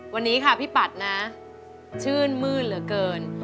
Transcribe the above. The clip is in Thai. วันนี้ค่ะพี่ปัดนะชื่นมืดเหลือเกิน